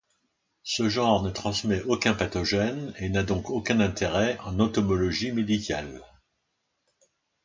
Ce genre ne transmet aucun pathogène et n'a donc aucun intérêt en entomologie médicale.